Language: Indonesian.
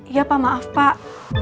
ya pak maaf pak